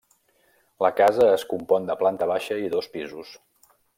La casa es compon de planta baixa i dos pisos.